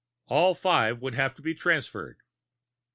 All five would have to be transferred.